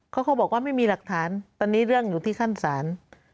เขาบอกว่าไม่มีหลักฐานตอนนี้เรื่องอยู่ที่ขั้นศาล